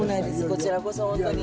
こちらこそ本当に。